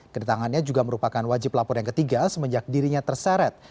kedatangannya juga merupakan wajib lapor yang ketiga semenjak dirinya terseret